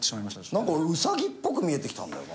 なんかウサギっぽく見えてきたんだよな。